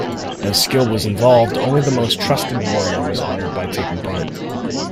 As skill was involved, only the most trusted warrior was honored by taking part.